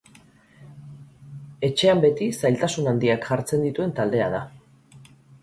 Etxean beti zailtasun handiak jartzen dituen taldea da.